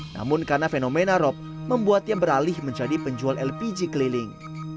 namun karena fenomena rop membuatnya beralih menjadi penjual lpg keliling